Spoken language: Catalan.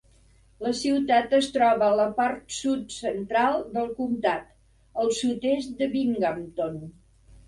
La ciutat es troba a la part sud central del comtat, al sud-est de Binghamton.